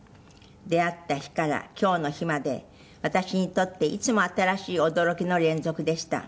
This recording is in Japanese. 「出会った日から今日の日まで私にとっていつも新しい驚きの連続でした」